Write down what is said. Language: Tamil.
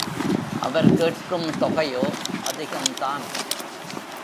அவர் கேட்கும் தொகையோ அதிகம்தான்.